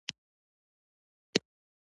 د پیپال حساب لاهم نړیوال اعتبار لري.